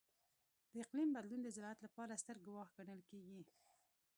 د اقلیم بدلون د زراعت لپاره ستر ګواښ ګڼل کېږي.